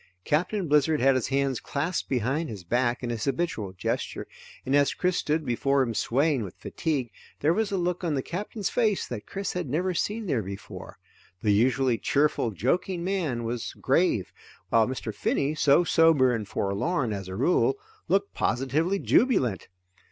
Captain Blizzard had his hands clasped behind his back in his habitual gesture, and as Chris stood before him swaying with fatigue, there was a look on the Captain's face that Chris had never seen there before. The usually cheerful, joking man was grave, while Mr. Finney, so sober and forlorn as a rule, looked positively jubilant.